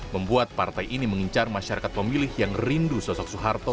membuat partai ini mengincar masyarakat pemilih yang rindu sosok soeharto